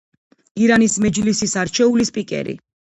ირანის მეჯლისის არჩეული სპიკერი.